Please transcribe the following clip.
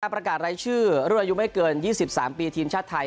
ประกาศรายชื่อรุ่นอายุไม่เกิน๒๓ปีทีมชาติไทย